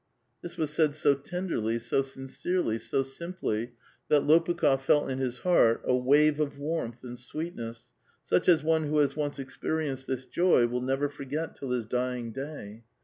This was said so tenderly, so sincerely, so simply, that Lopukh6f felt in his heart a wave of warmth and sweetness, such as one who has once experienced this joy will never forgot till his dying day.